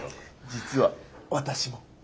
実は私も。